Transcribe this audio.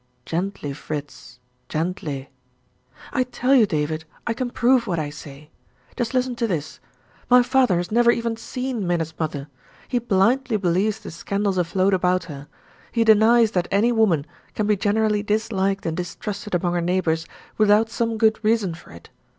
"Gently, Fritz gently!" "I tell you, David, I can prove what I say. Just listen to this. My father has never even seen Minna's mother; he blindly believes the scandals afloat about her he denies that any woman can be generally disliked and distrusted among her neighbors without some good reason for it.